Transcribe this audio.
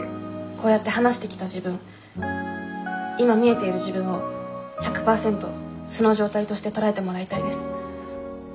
こうやって話してきた自分今見えている自分を１００％素の状態として捉えてもらいたいです。